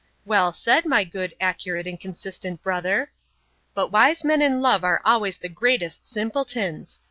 Well said, my good, accurate, and consistent brother!—But wise men in love are always the greatest simpletons!